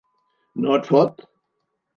No et fot!